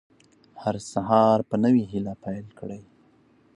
هر سهار په نوې هیله پیل کړئ.